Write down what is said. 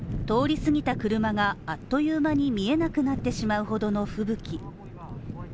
通り過ぎた車が、あっという間に見えなくなってしまうほどの吹雪。